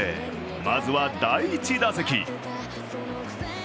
まずは第１打席。